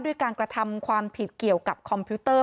ด้วยการกระทำความผิดเกี่ยวกับคอมพิวเตอร์